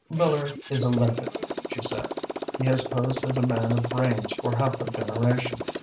"Miller is a limpet," she said. "He has posed as a man of brains for half a generation.